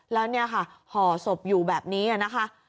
แล้วเนี่ยค่ะห่อศพอยู่แบบนี้นะคะ